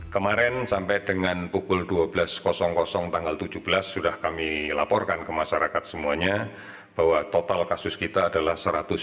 kemarin sampai dengan pukul dua belas tanggal tujuh belas sudah kami laporkan ke masyarakat semuanya bahwa total kasus kita adalah satu ratus tujuh puluh